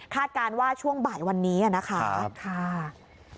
คาดการณ์ว่าช่วงบ่ายวันนี้นะคะค่ะครับ